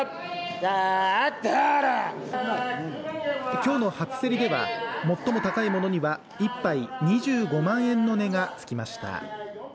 今日の初競りでは最も高いものには１杯２５万円の値がつきました。